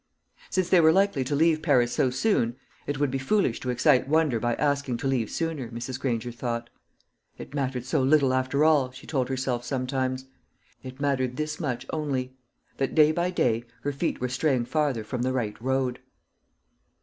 Since they were likely to leave Paris so soon, it would be foolish to excite wonder by asking to leave sooner, Mrs. Granger thought. It mattered so little, after all, she told herself sometimes. It mattered this much only that day by day her feet were straying farther from the right road.